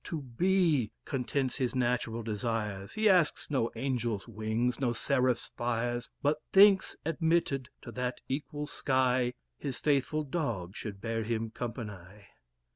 To be_ contents his natural desires, He asks no angels' wings, no seraphs' fires, But thinks, admitted to that equal sky, His faithful dog should bear him company."